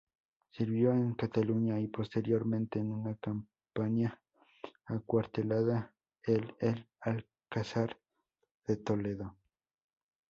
Sirvió en Cataluña y posteriormente en una compañía acuartelada el el Alcázar de Toledo.